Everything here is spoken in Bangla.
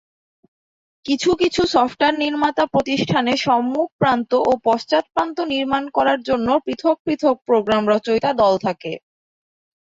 কিছু কিছু সফটওয়্যার নির্মাতা প্রতিষ্ঠানে সম্মুখ প্রান্ত ও পশ্চাৎ প্রান্ত নির্মাণ করার জন্য পৃথক পৃথক প্রোগ্রাম রচয়িতা দল থাকে।